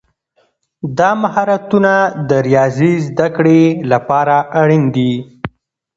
دا مهارتونه د ریاضي زده کړې لپاره اړین دي.